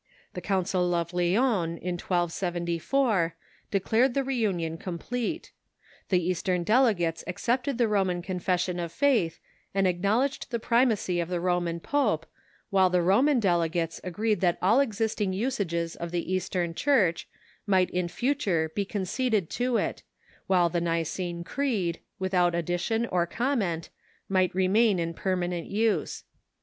The Council of Lyons, in 1274, declared the reunion complete. The Eastern delegates accepted the Roman con fession of faith, and acknowledged the primacj'^ of the Roman pope, while the Roman delegates agreed that all the existing usages of the Eastern Church might in future be conceded to it, while the Nicene Creed, without addition or comment, might remain in permanent use.